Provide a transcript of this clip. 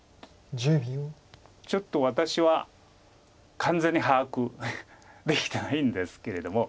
ちょっと私は完全に把握できてないんですけれども。